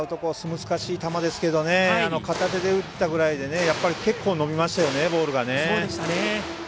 難しい球ですけど片手で打ったぐらいで結構、伸びましたよね、ボールが。